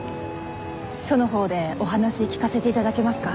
署の方でお話聞かせていただけますか？